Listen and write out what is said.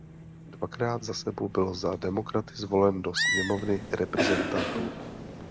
Dvakrát za sebou byl za Demokraty zvolen do Sněmovny reprezentantů.